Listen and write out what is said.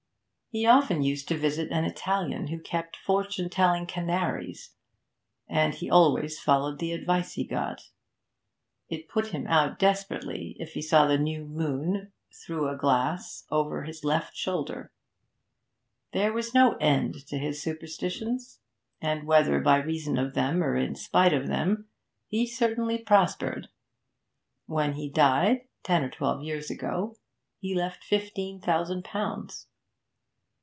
He often used to visit an Italian who kept fortune telling canaries, and he always followed the advice he got. It put him out desperately if he saw the new moon through glass, or over his left shoulder. There was no end to his superstitions, and, whether by reason of them or in spite of them, he certainly prospered. When he died, ten or twelve years ago, he left fifteen thousand pounds.